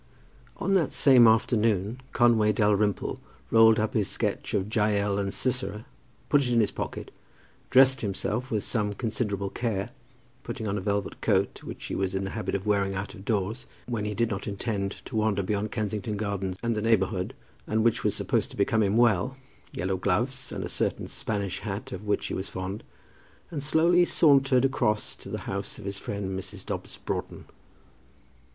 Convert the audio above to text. On that same afternoon Conway Dalrymple rolled up his sketch of Jael and Sisera, put it into his pocket, dressed himself with some considerable care, putting on a velvet coat which he was in the habit of wearing out of doors when he did not intend to wander beyond Kensington Gardens and the neighbourhood and which was supposed to become him well, yellow gloves, and a certain Spanish hat of which he was fond, and slowly sauntered across to the house of his friend Mrs. Dobbs Broughton.